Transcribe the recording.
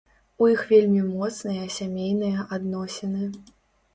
У іх вельмі моцныя сямейныя адносіны.